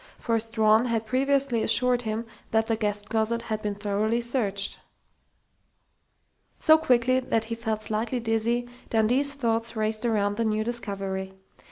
For Strawn had previously assured him that the guest closet had been thoroughly searched. So quickly that he felt slightly dizzy, Dundee's thoughts raced around the new discovery.